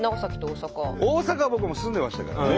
大阪は僕も住んでましたから昔ね。